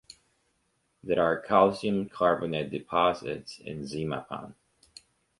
There are calcium carbonate deposits in Zimapan.